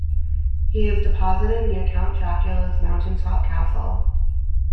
He is deposited near Count Dracula's mountaintop castle.